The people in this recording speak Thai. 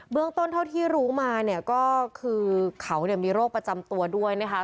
เรื่องต้นเท่าที่รู้มาเนี่ยก็คือเขามีโรคประจำตัวด้วยนะคะ